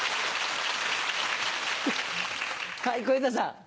はい小遊三さん。